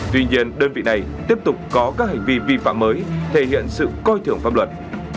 tuy nhiên đơn vị này tiếp tục có các hành vi vi phạm mới thể hiện sự coi thưởng pháp luật